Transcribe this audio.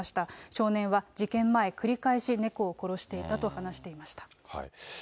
少年は事件前、繰り返し猫を殺していたと話していました。